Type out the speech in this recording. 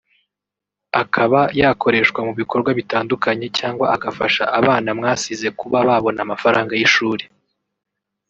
akaba yakoreshwa mu bikorwa bitandukanye cyangwa agafasha abana mwasize kuba babona amafaranga yishyuri